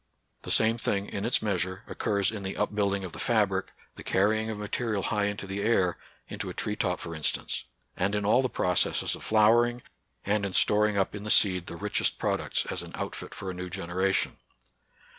The same thing in its measure occurs in the upbuilding of the fabric, the car rying of material high into the air, — into a tree top, for instance ; and in all the processes of flowering, and in storing up in the seed the richest products as an outfit for a new genera tion.